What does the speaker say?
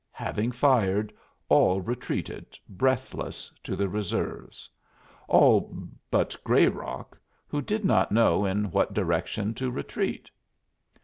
Having fired, all retreated, breathless, to the reserves all but Grayrock, who did not know in what direction to retreat.